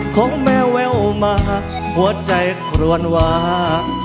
ของแมวแววมาหัวใจครวนวา